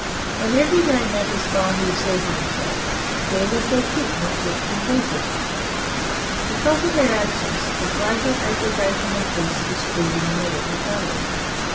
When everyday matters finally asserted themselves, there was their pit not yet completed. Because of their absence, a greater aggregation of beasts was feeding in the little valley.